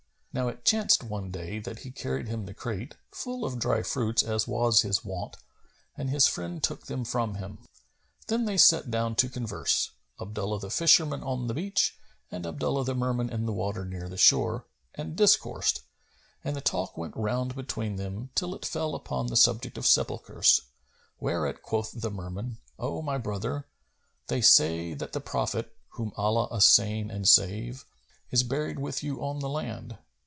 Now it chanced one day that he carried him the crate, full of dry[FN#255] fruits as was his wont, and his friend took them from him. Then they sat down to converse, Abdullah the fisherman on the beach and Abdullah the Merman in the water near the shore, and discoursed; and the talk went round between them, till it fell upon the subject of sepulchres; whereat quoth the Merman, "O my brother, they say that the Prophet (whom Allah assain and save!) is buried with you on the land.